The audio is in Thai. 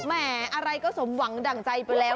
แหมอะไรก็สมหวังดั่งใจไปแล้ว